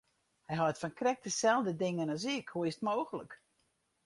Hy hâldt fan krekt deselde dingen as ik, hoe is it mooglik!